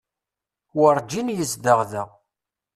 Werǧin yezdeɣ da.